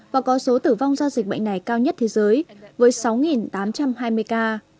và có số tử vong do dịch bệnh này cao nhất thế giới với sáu tám trăm hai mươi ca